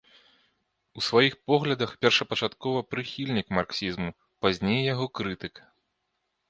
У сваіх поглядах першапачаткова прыхільнік марксізму, пазней яго крытык.